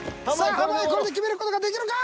濱家これで決める事ができるか？